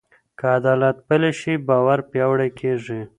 که عدالت پلی شي، باور پیاوړی کېږي.